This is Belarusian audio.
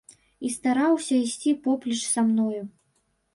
І стараўся ісці поплеч са мною.